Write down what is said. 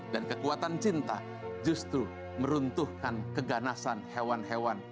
dan kekuatan cinta justru meruntuhkan keganasan hewan hewan